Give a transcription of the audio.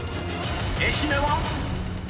愛媛は⁉］